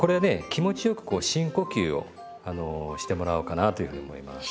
気持ちよくこう深呼吸をしてもらおうかなというふうに思います。